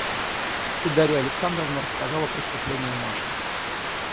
И Дарья Александровна рассказала преступление Маши.